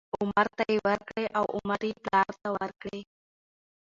عمر ته یې ورکړې او عمر یې پلار ته ورکړې،